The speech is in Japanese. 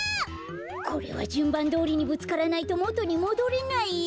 これはじゅんばんどおりにぶつからないともとにもどれないよ。